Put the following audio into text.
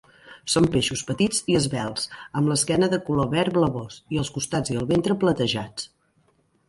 Són peixos petits i esvelts amb l'esquena de color verd blavós, i els costats i el ventre platejats.